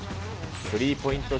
スリーポイント